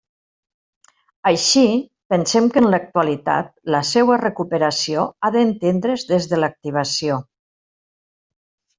Així, pensem que en l'actualitat la seua recuperació ha d'entendre's des de l'«activació».